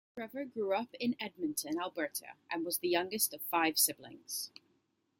Trevor grew up in Edmonton, Alberta and was the youngest of five siblings.